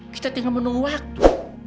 kita tinggal menunggu waktu